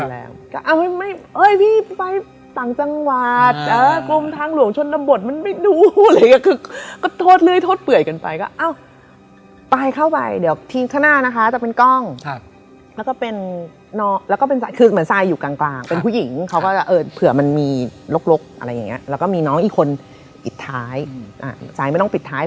แบบสมจริงที่สุดแต่อย่างนี้ค่ะ